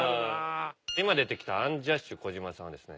今出てきたアンジャッシュ児嶋さんはですね